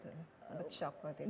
sempat shock waktu itu